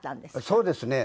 そうですね。